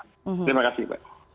terima kasih mbak